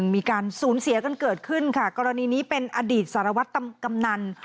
มีการสูญเสียกันเกิดขึ้นค่ะกรณีนี้เป็นอดีตสารวัตรกำนัน